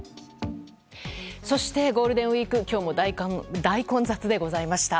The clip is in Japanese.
そして、ゴールデンウィーク今日も大混雑でございました。